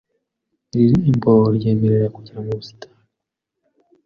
Iri rembo ryemerera kugera mu busitani .